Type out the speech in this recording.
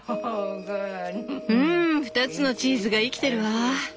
うん２つのチーズが生きてるわ。